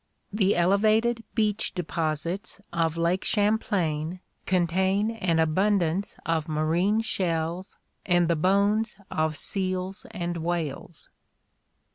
The elevated beach deposits of Lake Champlain contain an abundance of marine shells and the bones of seals and whales.